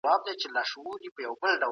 و علیکم السلام ووایئ.